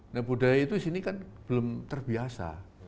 nah budaya itu disini kan belum terbiasa